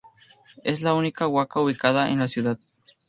Es la única huaca ubicada en la ciudad.